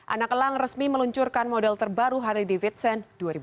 anak elang resmi meluncurkan model terbaru harley davidson dua ribu delapan belas